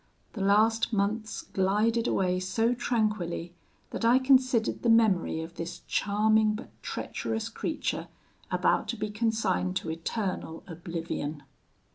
The last months glided away so tranquilly, that I considered the memory of this charming but treacherous creature about to be consigned to eternal oblivion.